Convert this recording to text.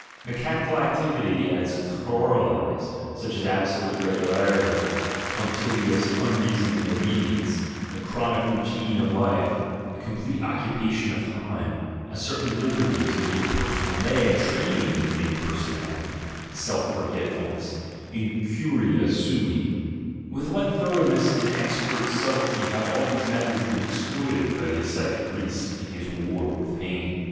Mechanical activity and its corollaries, such as absolute regularity, punctilious unreasoning obedience, the chronic routine of life, the complete occupation of time, a certain liberty to be impersonal, nay, a training in "impersonality," self forgetfulness, "incuria sai" — with what thoroughness and expert subtlety have all these methods been exploited by the ascetic priest in his war with pain!